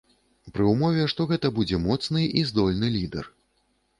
Пры ўмове што гэта будзе моцны і здольны лідэр.